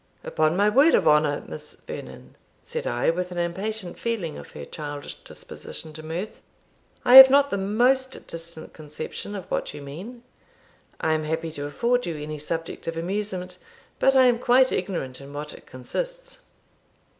"Upon my word of honour, Miss Vernon," said I, with an impatient feeling of her childish disposition to mirth, "I have not the most distant conception of what you mean. I am happy to afford you any subject of amusement, but I am quite ignorant in what it consists."